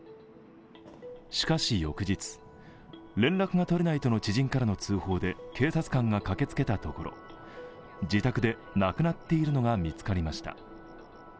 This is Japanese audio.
しかし翌日、連絡が取れないとの知人からの通報で警察官が駆けつけたところ、自宅で亡くなっているのが見つかりました。